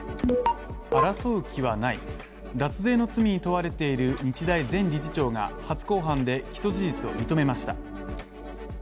争う気はない、脱税の罪に問われている日大前理事長が、初公判で起訴事実を認めました。